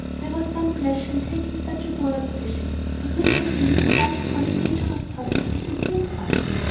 There was some pleasure in taking such a boy out fishing. But Mr Philip had lighted on a dangerous topic, as he soon found.